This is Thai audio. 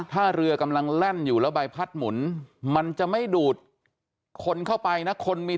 ถ้าเรือกำลังแล่นอยู่แล้วใบพัดหมุนมันจะไม่ดูดคนเข้าไปนะคนมี